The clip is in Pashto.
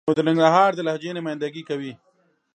نو د ننګرهار د لهجې نماینده ګي کوي.